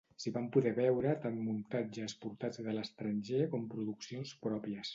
S'hi van poder veure tant muntatges portats de l'estranger com produccions pròpies.